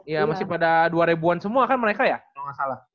iya masih pada dua ribu an semua kan mereka ya kalo gak salah